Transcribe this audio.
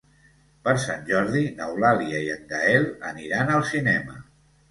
Per Sant Jordi n'Eulàlia i en Gaël aniran al cinema.